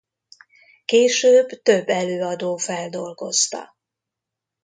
Később több előadó feldolgozta.